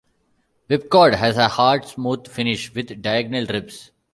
Whipcord has a hard smooth finish with diagonal ribs.